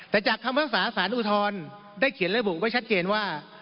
แต่จากคำภาษาสารอุทธรณ์ได้เขียนระบุไว้ชัดเจนว่า